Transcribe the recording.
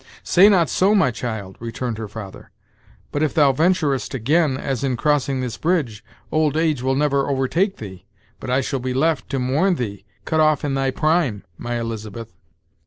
"Say not so, my child," returned her father; "but if thou venturest again as in crossing this bridge, old age will never overtake thee, but I shall be left to mourn thee, cut off in thy pride, my Elizabeth.